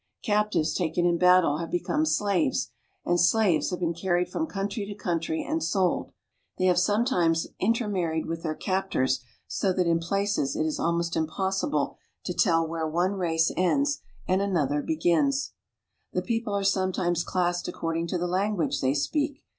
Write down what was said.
Cap tives taken in battle have become slaves, and slaves have carried from country to country and sold. They .ve sometimes intermarried with their captors, so that in it is almost impossible to tell where one race ends ;nd another begins. The people are sometimes classed according to the language they speak.